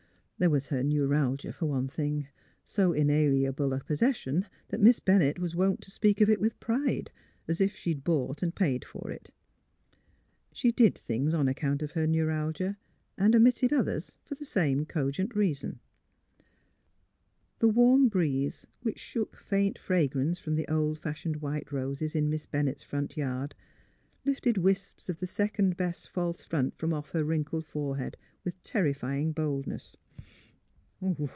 There was her neuralgia for one thing, so inalienable a possession that Miss Bennett was wont to speak of it with pride, as if she had bought and paid for it. She did things on accoimt of her neuralgia, and omitted others, for the same cogent reason. The warm breeze, which shook faint fragrance from the old fashioned white roses in Miss Bennett's front yard, lifted wisps of the second best false front from off her wrinkled fore head with terrifying boldness.